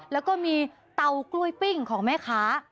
แล้วก็มีเตากล้วยปิ้งของแม่ค้า